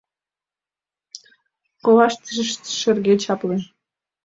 Коваштышт шерге, чапле.